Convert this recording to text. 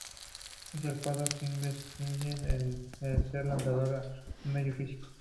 Es el cuarto single de Skillet en ser lanzado en un medio físico.